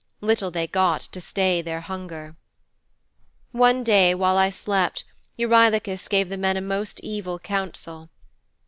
Little they got to stay their hunger.' 'One day while I slept, Eurylochus gave the men a most evil counsel.